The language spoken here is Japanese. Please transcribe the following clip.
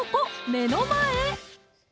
目の前！